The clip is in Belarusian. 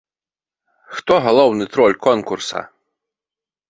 Хто галоўны троль конкурса?